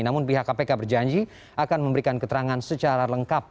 namun pihak kpk berjanji akan memberikan keterangan secara lengkap